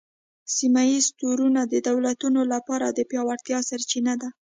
سیمه ایز تړونونه د دولتونو لپاره د پیاوړتیا سرچینه ده